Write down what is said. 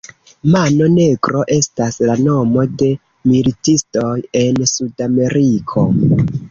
Mano Negro estas la nomo de militistoj en Sudameriko.